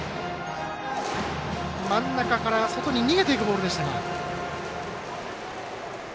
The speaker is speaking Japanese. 真ん中から外に逃げていくボールでした。